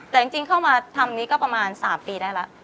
แต่จริงเข้ามาทำนี้ก็ประมาณ๓ปีได้แล้ว